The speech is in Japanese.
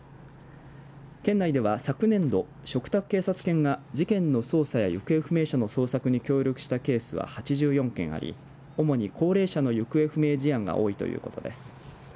県内では、昨年度嘱託警察犬が事件の捜査や行方不明者の捜索に協力したケースは８４件あり主に高齢者の行方不明事案が多いということです。